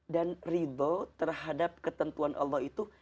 dan rido terhadap ketentuan allah itu